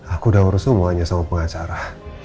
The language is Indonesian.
aku udah urus semuanya sama pengacara